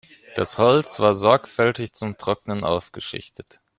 Das Holz war sorgfältig zum Trocknen aufgeschichtet.